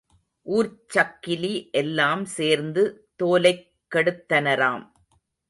ஊர்ச் சக்கிலி எல்லாம் சேர்ந்து தோலைக் கெடுத்தனராம்.